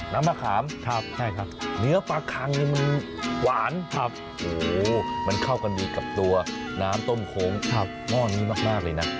น้ำมะขามเนื้อปลาขังนี่มันหวานโอ้โฮมันเข้ากันดีกับตัวน้ำต้มโขมม่อนนี้มากเลยนะ